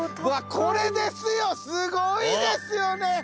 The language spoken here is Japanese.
これですよすごいですよね！